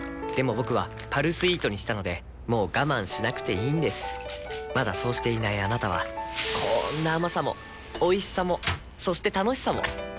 僕は「パルスイート」にしたのでもう我慢しなくていいんですまだそうしていないあなたはこんな甘さもおいしさもそして楽しさもあちっ。